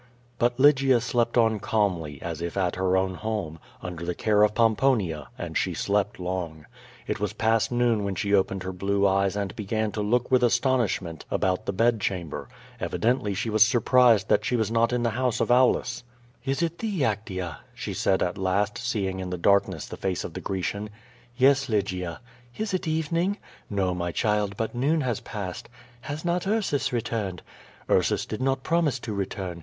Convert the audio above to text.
But Lygia slept on calmly, as if at her o^vn home, under the care of Pomponia, and she slept long. It was past noon when she opened her blue eyes and began to look with aston ishment about the bed chamber. Evidently she was surprised that she was not in the house of Aulus. '^Is it thee, Actea?" said she at last, seeing in the darkness the face of the Grecian. "Yes, Lygia." "Is it evening?" "No, my child, but noon has passed." "Has not Ursus returned?" "Ursus did not promise to return.